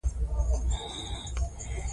افغانستان د دښتې له امله شهرت لري.